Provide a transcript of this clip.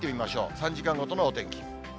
３時間ごとのお天気。